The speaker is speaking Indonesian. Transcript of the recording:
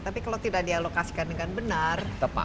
tapi kalau tidak dialokasikan dengan benar